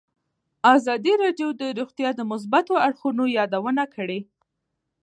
ازادي راډیو د روغتیا د مثبتو اړخونو یادونه کړې.